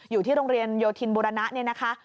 อยู่ที่โรงเรียนโยธินบุรณะเนี่ยนะคะ